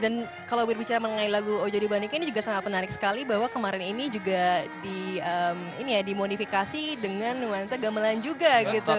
dan kalau berbicara mengenai lagu ojo di bandingke ini juga sangat menarik sekali bahwa kemarin ini juga dimodifikasi dengan nuansa gamelan juga gitu